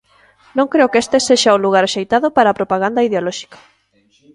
Non creo que este sexa o lugar axeitado para a propaganda ideolóxica.